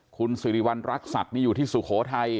คุณสิริวัณรักษัตริย์นี่อยู่ที่สุโขทัย